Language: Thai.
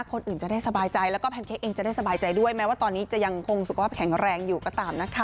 คนอื่นจะได้สบายใจแล้วก็แพนเค้กเองจะได้สบายใจด้วยแม้ว่าตอนนี้จะยังคงสุขภาพแข็งแรงอยู่ก็ตามนะคะ